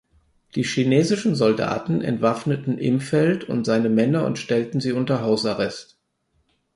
Die chinesischen Soldaten entwaffneten Imfeld und seine Männer und stellten sie unter Hausarrest.